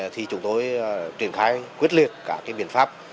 thì chúng tôi triển khai quyết liệt cả cái biện pháp